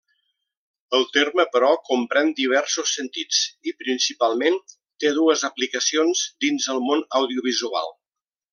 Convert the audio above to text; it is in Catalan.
El terme, però, comprèn diversos sentits i, principalment, té dues aplicacions dins el món audiovisual.